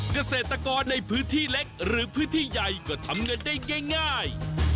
เกษตรกรในพื้นที่เล็กหรือพื้นที่ใหญ่ก็ทำเงินได้ง่าย